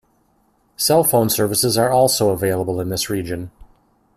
Cell phone services are also available in this region.